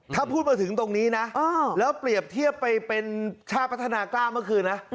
ถ้าพูดมาถึงตรงนี้นะแล้วเปรียบเทียบไปเป็นชาติพัฒนากล้าเมื่อคืนนะ